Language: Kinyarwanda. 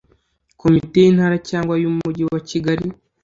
komite y intara cyangwa y umujyi wakigali